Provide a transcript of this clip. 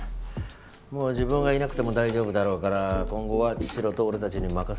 もう自分がいなくても大丈夫だろうから今後は茅代と俺たちに任せるって。